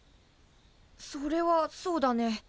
それはそうだね。